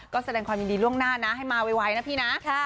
ก็แสดงความยินดีล่วงหน้านะให้มาไวนะพี่นะ